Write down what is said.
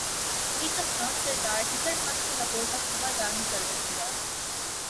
ایک افغان سردار خضر خان کو لاہور کا صوبہ دار مقرر کیا